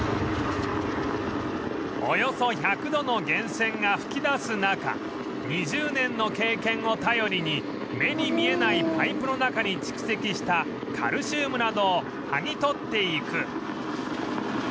およそ１００度の源泉が噴き出す中２０年の経験を頼りに目に見えないパイプの中に蓄積したカルシウムなどを剥ぎ取っていく